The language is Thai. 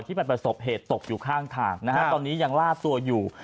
ที่เป็นประสบเหตุตกอยู่ข้างทางตอนนี้ยังลาดตัวอยู่